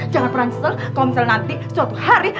jangan prancis kalau misalnya nanti suatu hari